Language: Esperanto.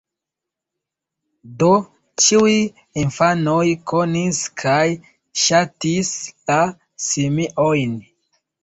Do ĉiuj infanoj konis kaj ŝatis la simiojn.